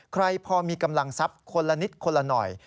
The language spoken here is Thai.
ใครพอมีกำลังทรัพย์คนละนิดคนละหน่อย